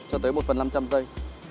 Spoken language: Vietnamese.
cho tới một phần năm trăm linh giây